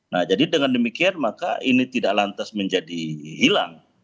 nah jadi dengan demikian maka ini tidak lantas menjadi hilang